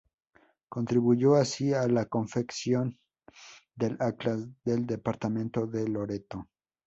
Contribuyó así a la confección del Atlas del departamento de Loreto.